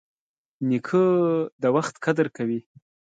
نیکه د وخت قدر کوي.